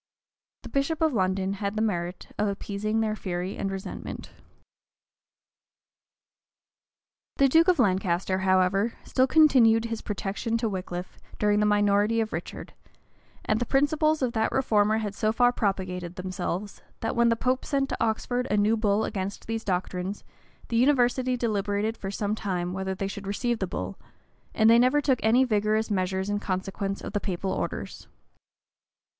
The bishop of London had the merit of appeasing their fury and resentment. The duke of Lancaster, however, still continued his protection to Wickliffe, during the minority of Richard; and the principles of that reformer had so far propagated themselves, that when the pope sent to Oxford a new bull against these doctrines, the university deliberated for some time whether they should receive the bull; and they never took any vigorous measures in consequence of the papal orders.